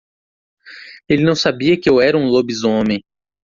Ele não sabia que eu era um lobisomem